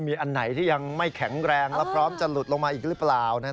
มีอันไหนที่ยังไม่แข็งแรงและพร้อมจะหลุดลงมาอีกหรือเปล่า